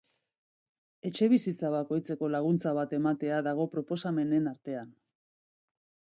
Etxebizitza bakoitzeko laguntza bat ematea dago proposamenen artean.